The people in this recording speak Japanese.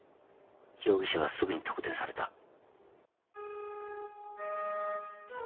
容疑者はすぐに特定された。